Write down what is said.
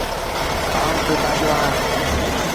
آئوٚݩ تآجو اهآݩ۔